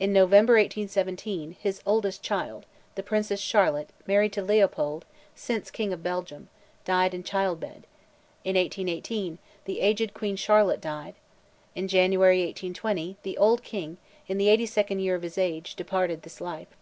In November, 1817, his oldest child, the Princess Charlotte, married to Leopold, since King of Belgium, died in childbed; in 1818, the aged Queen Charlotte died; in January, 1820, the old King, in the eighty second year of his age, departed this life.